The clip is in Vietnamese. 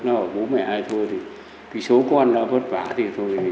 nó bố mẹ thôi thì số con nó vất vả thì thôi